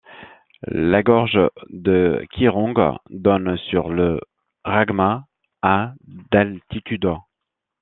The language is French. La gorge de Kyirong donne sur le Ragma à d'altitude.